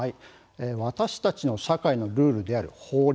私たちの社会のルールである法律